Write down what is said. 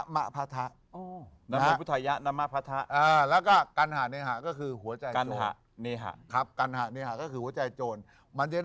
คิกคิกคิกคิกคิกคิกคิกคิกคิกคิกคิกคิกคิก